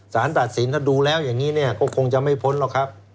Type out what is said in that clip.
สารตัดสินถ้าดูแล้วอย่างนี้เนี่ยก็คงจะไม่พ้นหรอกครับ